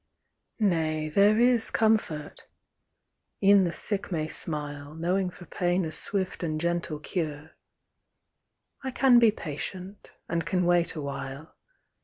Nay, there is comfort ! E'en the sick may smile, Knowing for pain a swift and gentle cure ; I can be patient, and can wait awhile.